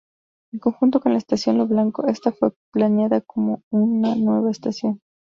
En conjunto con la estación Lo Blanco, esta fue planeada como una nueva estación.